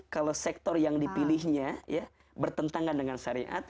kalau sektor yang dipilihnya ya bertentangan dengan syariat